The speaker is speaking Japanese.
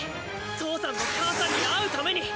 父さんと母さんに会うために。